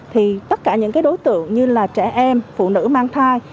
thì tất cả những đối tượng như là trẻ em phụ nữ mang thai